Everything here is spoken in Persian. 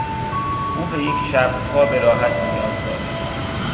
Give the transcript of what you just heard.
او به یک شب خواب راحت نیاز داشت.